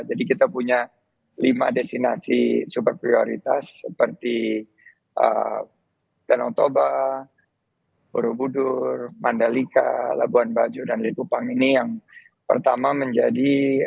jadi kita punya lima destinasi super prioritas seperti tanah toba buru budur mandalika labuan bajo dan likupang ini yang pertama menjadi